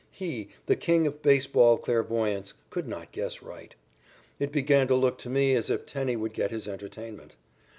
He, the king of baseball clairvoyants, could not guess right. It began to look to me as if Tenney would get his entertainment.